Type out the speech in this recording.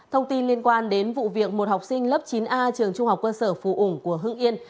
thông tin liên quan đến vụ việc một học sinh lớp chín a trường trung học cơ sở phù ủng của hương yên